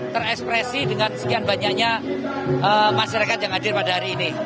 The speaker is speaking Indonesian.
terekspresi dengan sekian banyaknya masyarakat yang hadir pada hari ini